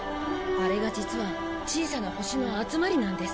あれが実は小さな星の集まりなんです。